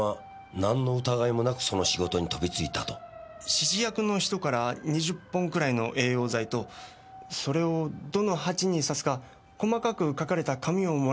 指示役の人から２０本くらいの栄養剤とそれをどの鉢に挿すか細かく書かれた紙をもらいました。